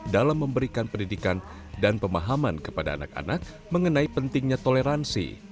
dalam memberikan pendidikan dan pemahaman kepada anak anak mengenai pentingnya toleransi